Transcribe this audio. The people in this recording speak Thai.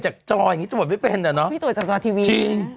จออย่างนี้ตรวจไม่เป็นอ่ะเนาะพี่ตรวจจากจอทีวีจริง